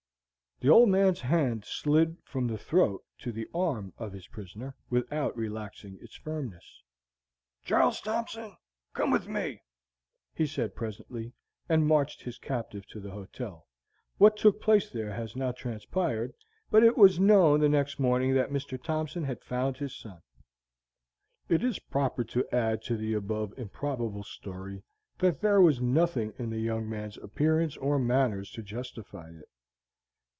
The old man's hand slid from the throat to the arm of his prisoner, without relaxing its firmness. "Char les Thompson, come with me," he said, presently, and marched his captive to the hotel. What took place there has not transpired, but it was known the next morning that Mr. Thompson had found his son. It is proper to add to the above improbable story, that there was nothing in the young man's appearance or manners to justify it.